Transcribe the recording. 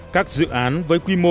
các dự án với quy mô vốn khác